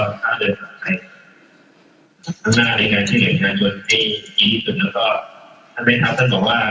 ทำหน้าด้วยกันที่เหลือชาญชวนที่ดีที่สุดแล้วก็ท่านเพศทรัพย์ท่านบอกว่า